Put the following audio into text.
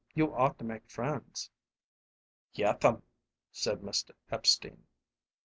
You ought to make friends." "Yeth'm," said Mr. Epstein.